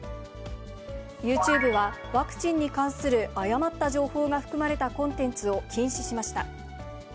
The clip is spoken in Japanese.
ユーチューブはワクチンに関する誤った情報が含まれたコンテンツを禁止しました。